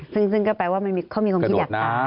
ซึมซึมก็แปลว่าเขามีความคิดอยากตาย